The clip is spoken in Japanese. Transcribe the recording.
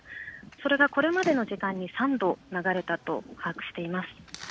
それがこれまでの時間に３度流れたと把握しています。